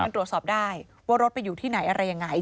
มันตรวจสอบได้ว่ารถไปอยู่ที่ไหนอะไรยังไง